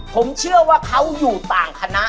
ผมเชื่อว่าเขาอยู่ต่างคณะ